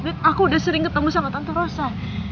dan aku udah sering ketemu sama tante rosa